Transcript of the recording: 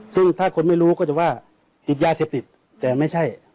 ซึ่งถ้าคนไม่รู้ก็จะว่าติดยาเสพติดแต่ไม่ใช่